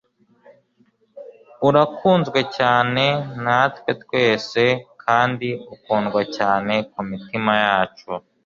urakunzwe cyane natwe twese kandi ukundwa cyane kumitima yacu